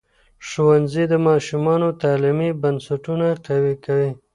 ښوونځی د ماشومانو تعلیمي بنسټونه قوي کوي.